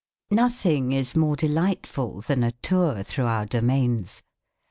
Nothing is more delightful than a tour through our domains.